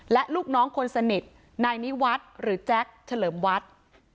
และลูกน้องคนสนิทนายนิวัฒน์หรือแจ็คเฉลิมวัด